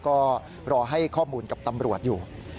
ก็รอให้ข้อมูลกับตำรวจอยู่